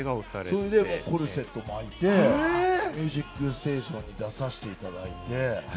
それでコルセット巻いて『ミュージックステーション』に出させていただいて。